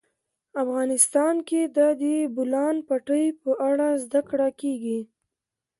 افغانستان کې د د بولان پټي په اړه زده کړه کېږي.